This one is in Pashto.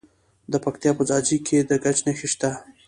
د پکتیا په ځاځي کې د ګچ نښې شته.